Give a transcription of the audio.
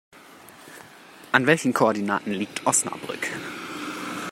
An welchen Koordinaten liegt Osnabrück?